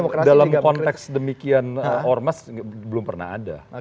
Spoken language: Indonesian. perpu yang dalam konteks demikian ormas belum pernah ada